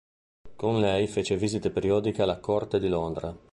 Con lei fece visite periodiche alla corte di Londra.